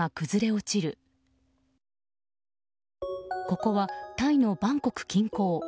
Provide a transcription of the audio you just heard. ここはタイのバンコク近郊。